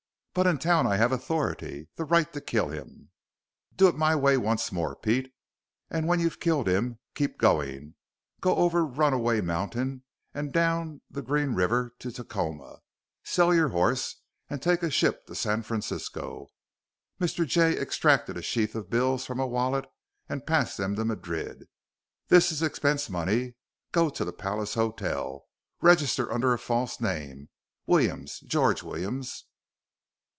"But in town I have authority, the right to kill him." "Do it my way once more, Pete. And when you've killed him, keep going. Go over Runaway Mountain and down the Green River to Tacoma. Sell your horse and take a ship to San Francisco." Mr. Jay extracted a sheaf of bills from a wallet and passed them to Madrid. "This is expense money. Go to the Palace Hotel. Register under a false name Williams, George Williams.